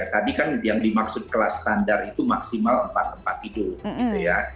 tadi kan yang dimaksud kelas standar itu maksimal empat tempat tidur gitu ya